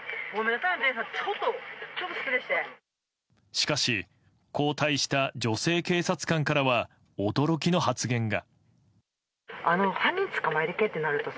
しかし交代した女性警察官からは驚きの発言が。